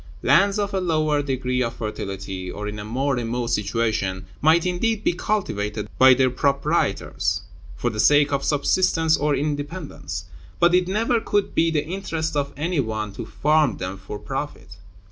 Lands of a lower degree of fertility or in a more remote situation might indeed be cultivated by their proprietors, for the sake of subsistence or independence; but it never could be the interest of any one to farm them for profit.